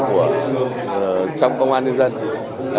trong công an nhân dân